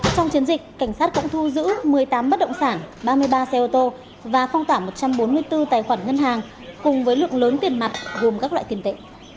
trong chiến dịch cảnh sát cũng thu giữ một mươi tám bất động sản ba mươi ba xe ô tô và phong tả một trăm bốn mươi bốn tài khoản ngân hàng cùng với lượng lớn tiền mặt gồm các loại tiền tệ